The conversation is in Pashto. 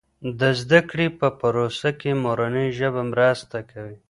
د زده کړې په پروسه کې مورنۍ ژبه مرسته کوي.